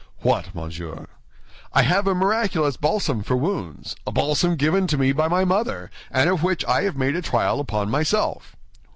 "What, monsieur?" "I have a miraculous balsam for wounds—a balsam given to me by my mother and of which I have made a trial upon myself."